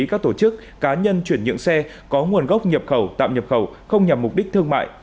các tổ chức cá nhân chuyển nhượng xe có nguồn gốc nhập khẩu tạm nhập khẩu không nhằm mục đích thương mại